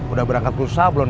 udah berangkat pulsa belum